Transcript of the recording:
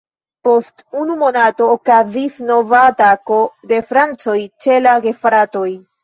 Post unu monato okazis nova atako de francoj ĉe la gefratoj.